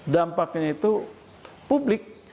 dampaknya itu publik